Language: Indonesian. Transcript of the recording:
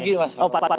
selamat pagi mas